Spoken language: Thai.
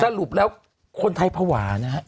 สรุปแล้วคนไทยภาวะนะฮะ